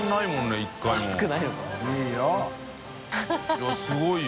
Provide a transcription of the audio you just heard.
いやすごいよ。